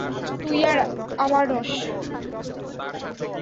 তুই আর অমর নস!